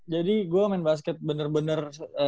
jadi gue main basket bener bener